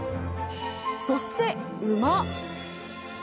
そして、馬。